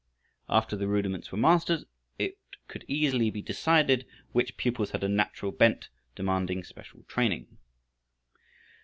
After the rudiments were mastered, it could easily be decided which pupils had a natural bent demanding special training.